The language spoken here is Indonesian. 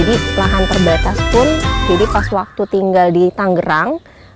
jadi lahan terbatas pun jadi pas waktu tinggal di tanggerang